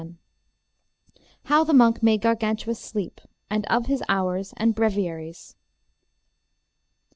How the Monk made Gargantua sleep, and of his hours and breviaries.